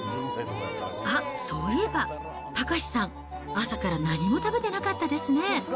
あっ、そういえば岳さん、朝から何も食べてなかったですね。